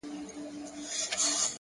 كه خپلوې مي نو در خپل مي كړه زړكيه زما ـ